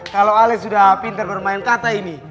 kalau ale sudah pintar gue lumayan kata ini